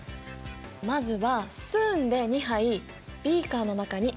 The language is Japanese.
まずはスプーンで２杯ビーカーの中に入れてみて。